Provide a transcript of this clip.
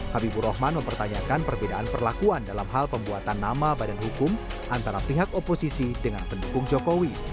habibur rahman mempertanyakan perbedaan perlakuan dalam hal pembuatan nama badan hukum antara pihak oposisi dengan pendukung jokowi